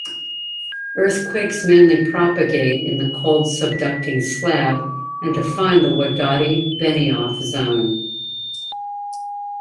Earthquakes mainly propagate in the cold subducting slab and define the Wadati-Benioff zone.